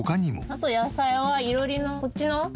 あと野菜は囲炉裏のこっちの。